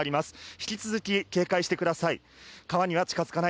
引き続き警戒してください。